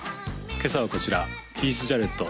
今朝はこちらキース・ジャレット